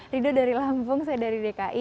ridho dari lampung saya dari dki